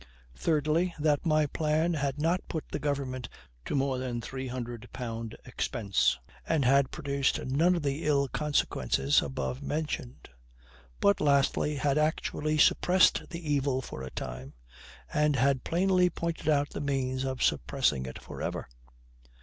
Thirdly, that my plan had not put the government to more than three hundred pound expense, and had produced none of the ill consequences above mentioned; but, lastly, had actually suppressed the evil for a time, and had plainly pointed out the means of suppressing it for ever.